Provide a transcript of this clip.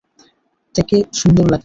তেকে সুন্দর লাগছে।